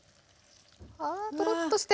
あトロッとして。